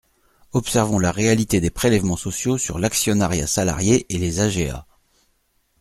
Observons la réalité des prélèvements sociaux sur l’actionnariat salarié et les AGA.